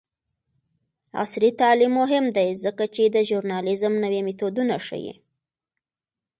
عصري تعلیم مهم دی ځکه چې د ژورنالیزم نوې میتودونه ښيي.